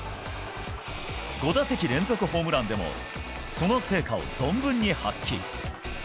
５打席連続ホームランでも、その成果を存分に発揮。